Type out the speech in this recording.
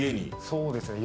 そうですね。